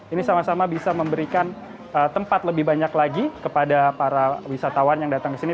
ini sama sama bisa memberikan tempat lebih banyak lagi kepada para wisatawan yang datang ke sini